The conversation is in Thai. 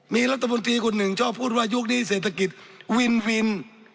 มีรัฐมนตรีคนหนึ่งชอบพูดว่ายุคนี้เศรษฐกิจวิน